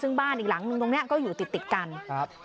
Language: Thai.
ซึ่งบ้านอีกหลังนึงตรงเนี้ยก็อยู่ติดติดกันครับ